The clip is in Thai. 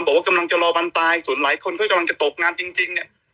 บอกว่ากำลังจะรอวันตายส่วนหลายคนก็กำลังจะตกงานจริงเนี่ย